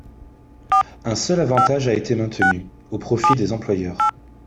Un seul avantage a été maintenu, au profit des employeurs.